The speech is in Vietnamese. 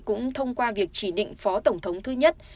cũng thông qua việc chỉ định phó tổng thống thứ nhất